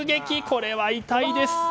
これは痛いです。